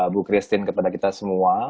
bu christine kepada kita semua